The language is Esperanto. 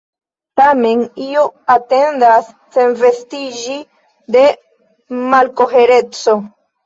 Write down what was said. Tamen io atendas senvestiĝi de malkohereco.